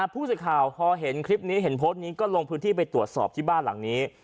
ผู้สื่อข่าวพอเห็นคลิปนี้เห็นโพสต์นี้ก็ลงพื้นที่ไปตรวจสอบที่บ้านหลังนี้